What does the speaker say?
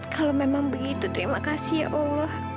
kalo karena flying kayunya terima kasih ya allah